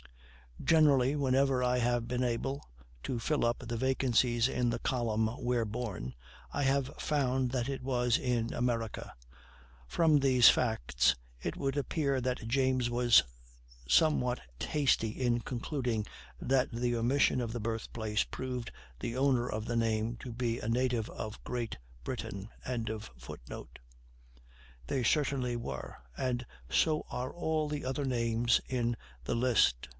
Generally, whenever I have been able to fill up the vacancies in the column "Where Born," I have found that it was in America. From these facts it would appear that James was somewhat hasty in concluding that the omission of the birth place proved the owner of the name to be a native of Great Britain.] They certainly are; and so are all the other names in the list.